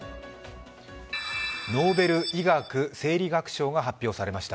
ノーベル医学生理学賞が発表されました。